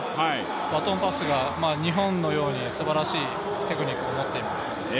バトンパスが日本のようにすばらしいテクニックを持っています。